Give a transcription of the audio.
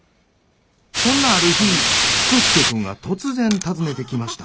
そんなある日福助君が突然訪ねてきました。